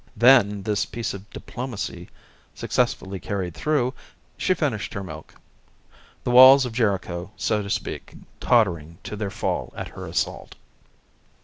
Then, this piece of diplomacy successfully carried through, she finished her milk, the walls of Jericho, so to speak, tottering to their fall at her assault.